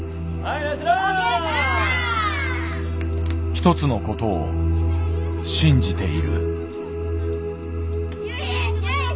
一つのことを信じている。